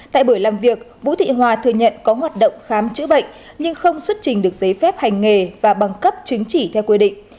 tại buổi làm việc vũ thị hòa thừa nhận có hoạt động khám chữa bệnh nhưng không xuất trình được giấy phép hành nghề và bằng cấp chứng chỉ theo quy định